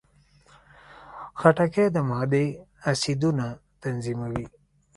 خټکی د معدې اسیدونه تنظیموي.